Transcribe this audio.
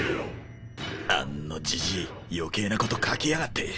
あんのじじい余計なこと書きやがって。